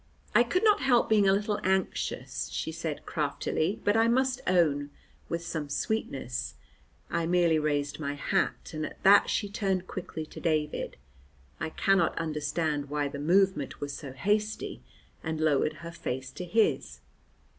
"I could not help being a little anxious," she said craftily, but I must own, with some sweetness. I merely raised my hat, and at that she turned quickly to David I cannot understand why the movement was so hasty and lowered her face to his.